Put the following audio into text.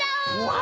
わ